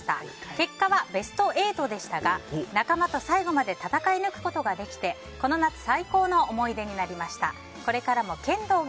結果はベスト８でしたが仲間と最後まで戦い抜くことができてこの夏最高の思い出になりました。